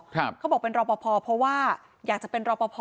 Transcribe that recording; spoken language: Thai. เขาบอกเป็นรอปภเพราะว่าอยากจะเป็นรอปภ